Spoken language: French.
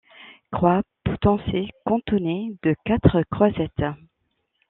Croix potencée cantonnée de quatre croisettes.